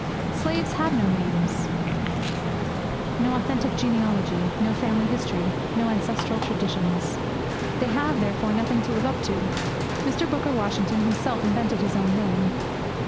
Slaves have no names; no authentic genealogy; no family history; no ancestral traditions. They have, therefore, nothing to live up to. Mr. Booker Washington himself invented his own name.